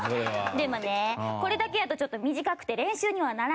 でもねこれだけやとちょっと短くて練習にはならないです。